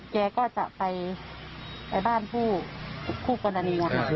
แกก็จะไปบ้านผู้กรณีนะครับ